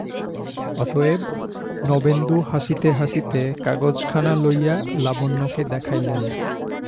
অতএব নবেন্দু হাসিতে হাসিতে কাগজখানা লইয়া লাবণ্যকে দেখাইলেন।